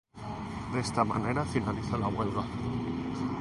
De esta manera, finaliza la huelga.